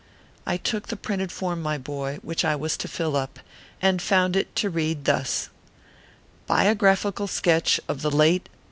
I took the printed form, my boy, which I was to fill up, and found it to read thus :" BIOGRAPHICAL SKETCH OF THE LATE